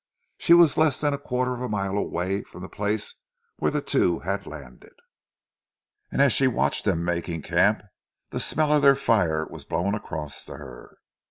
She was less than a quarter of a mile away from the place where the two had landed, and as she watched them making camp, the smell of their fire was blown across to her.